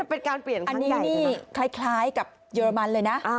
อื้ออันนี้นี่คล้ายกับเยอรมันเลยนะ